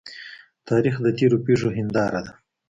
تاریخ د تیرو پیښو هنداره ده.